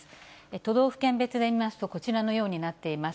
都道府県別で見ますと、こちらのようになっています。